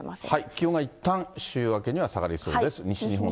気温がいったん週明けには下がりそうです。